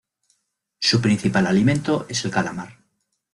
Su principal alimento es el calamar.